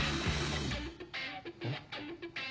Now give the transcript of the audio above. えっ？